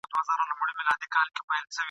لکه له باد سره الوتې وړۍ ..